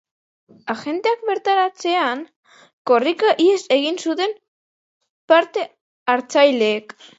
Agenteak bertaratzean, korrika ihes egin zuten parte hartzaileek.